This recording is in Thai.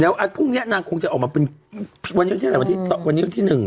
แล้วพรุ่งนี้นางคงจะออกมาเป็นวันนี้วันที่๑หรือ๒